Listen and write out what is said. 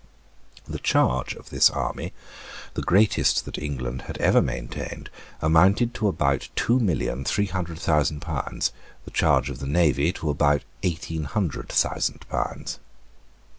The charge of this army, the greatest that England had ever maintained, amounted to about two million three hundred thousand pounds; the charge of the navy to about eighteen hundred thousand pounds.